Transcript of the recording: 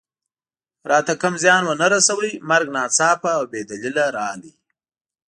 راته کوم زیان و نه رساوه، مرګ ناڅاپه او بې دلیله راغی.